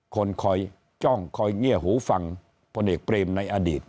คอยจ้องคอยเงียบหูฟังพลเอกเปรมในอดีต